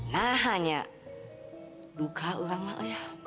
nah hanya duka orang mak